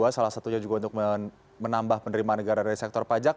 salah satunya juga untuk menambah penerimaan negara dari sektor pajak